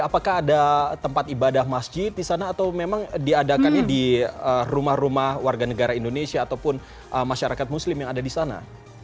apakah ada tempat ibadah masjid di sana atau memang diadakannya di rumah rumah warga negara indonesia ataupun masyarakat muslim yang ada di sana